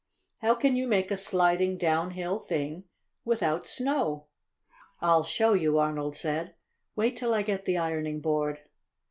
How can you make a sliding downhill thing without snow?" "Ill show you," Arnold said. "Wait till I get the ironing board."